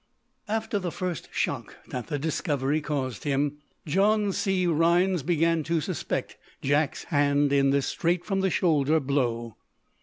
After the first shock that the discovery caused him, John C. Rhinds began to suspect Jack's hand in this straight from the shoulder blow.